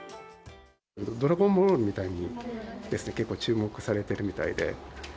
ドラゴンボールみたいにですね、結構、注目されてるみたいで。